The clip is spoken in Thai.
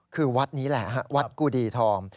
คือวัดนี้แหละฮะวัดกูดีทอง